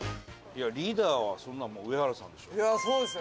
リーダーはそんなのもう上原さんでしょう。